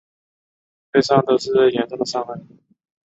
背上都是严重的伤痕